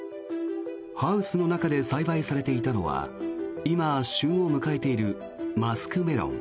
ハウスの中で栽培されていたのは今、旬を迎えているマスクメロン。